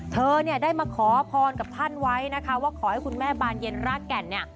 คุณแม่บันเย็นเดินทางมาแสดงวนตรีที่นี่